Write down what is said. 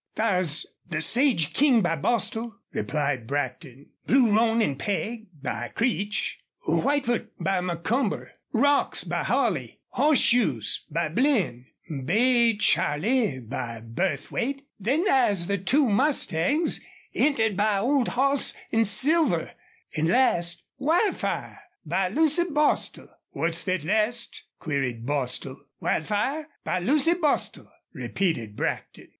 "Thar's the Sage King by Bostil," replied Brackton. "Blue Roan an' Peg, by Creech; Whitefoot, by Macomber; Rocks, by Holley; Hoss shoes, by Blinn; Bay Charley, by Burthwait. Then thar's the two mustangs entered by Old Hoss an' Silver an' last Wildfire, by Lucy Bostil." "What's thet last?" queried Bostil. "Wildfire, by Lucy Bostil," repeated Brackton.